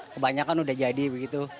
kebanyakan udah jadi begitu